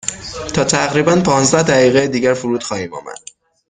تا تقریبا پانزده دقیقه دیگر فرود خواهیم آمد.